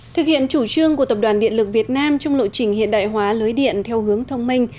thực hiện chủ trương của tập đoàn điện lực việt nam trong lộ trình hiện đại hóa lưới điện theo hướng thông minh